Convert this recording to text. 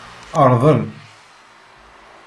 Rḍel.